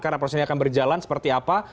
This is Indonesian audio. karena prosesnya akan berjalan seperti apa